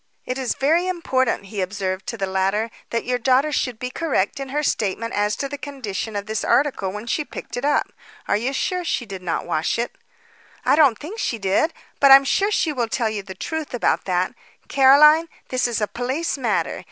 "It is very important," he observed to the latter, "that your daughter should be correct in her statement as to the condition of this article when she picked it up. Are you sure she did not wash it?" "I don't think she did. But I'm sure she will tell you the truth about that. Caroline, this is a police matter.